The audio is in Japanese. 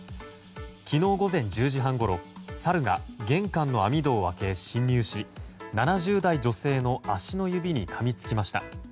昨日午前１０時半ごろサルが玄関の網戸を開け侵入し７０代女性の足の指にかみつきました。